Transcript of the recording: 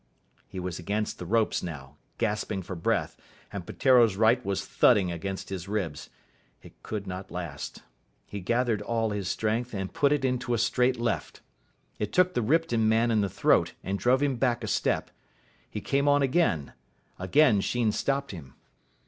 He was against the ropes now, gasping for breath, and Peteiro's right was thudding against his ribs. It could not last. He gathered all his strength and put it into a straight left. It took the Ripton man in the throat, and drove him back a step. He came on again. Again Sheen stopped him.